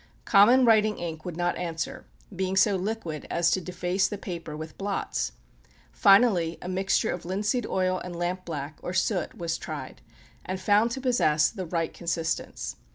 Common writing ink would not answer, being so liquid as to deface the paper with blots. Finally, a mixture of linseed oil and lamp black or soot was tried, and found to possess the right consistence.